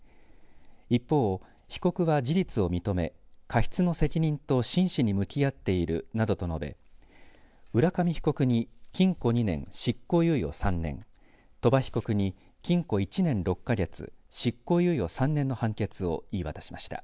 一方、被告は事実を認め過失の責任と真摯に向き合っているなどと述べ、浦上被告に禁錮２年、執行猶予３年鳥羽被告に禁錮１年６か月執行猶予３年の判決を言い渡しました。